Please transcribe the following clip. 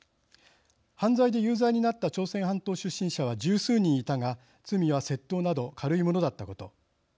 犯罪で有罪になった朝鮮半島出身者は十数人いたが罪は窃盗など軽いものだったこと。